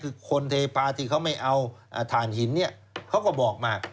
คือคนเทพาที่เขาไม่เอาฐานหินเขาก็บอกมาก